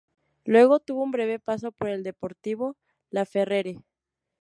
Luego tuvo un breve paso por Deportivo Laferrere.